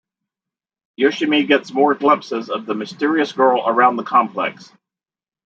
Yoshimi gets more glimpses of the mysterious girl around the complex.